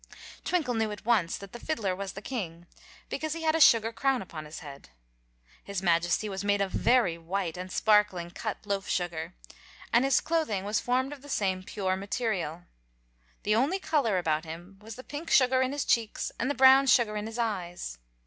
Twinkle knew at once that the fiddler was the king, because he had a sugar crown upon his head. His Majesty was made of very white and sparkling cut loaf sugar, and his clothing was formed of the same pure material. The only color about him was the pink sugar in his cheeks and the brown sugar in his eyes.